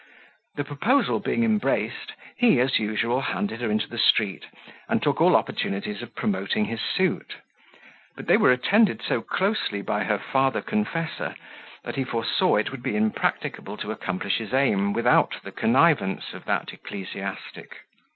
The proposal being embraced, he, as usual, handed her into the street, and took all opportunities of promoting his suit; but they were attended so closely by her father confessor, that he foresaw it would be impracticable to accomplish his aim without the connivance of that ecclesiastic.